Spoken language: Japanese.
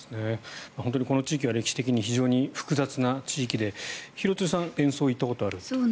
この地域は歴史的に非常に複雑な地域で廣津留さん、演奏に行ったことがあると。